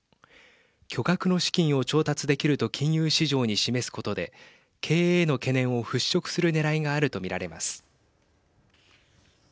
巨額の資金を調達できると金融市場に示すことで経営への懸念を払拭するねらいがあると見られます。